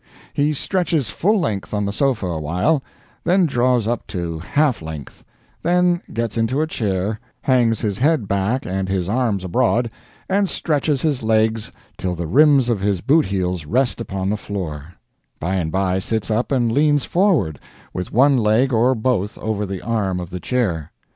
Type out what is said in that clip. He stretches full length on the sofa awhile; then draws up to half length; then gets into a chair, hangs his head back and his arms abroad, and stretches his legs till the rims of his boot heels rest upon the floor; by and by sits up and leans forward, with one leg or both over the arm of the chair.